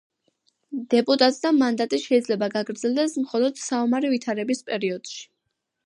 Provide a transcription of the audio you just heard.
დეპუტატთა მანდატი შეიძლება გაგრძელდეს მხოლოდ საომარი ვითარების პერიოდში.